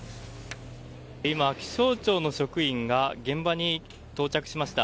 今、気象庁の職員が現場に到着しました。